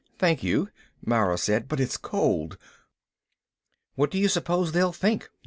"Thank you," Mara said, "but it is cold." "What do you suppose they'll think?"